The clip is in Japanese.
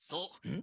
ん！？